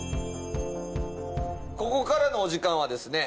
ここからのお時間はですね